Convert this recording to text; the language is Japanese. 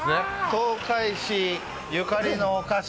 東海市ゆかりのお菓子。